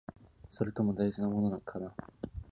それとも、大事なものかな？